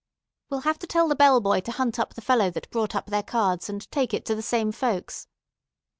We'll have to tell the bell boy to hunt up the fellow that brought up their cards, and take it to the same folks.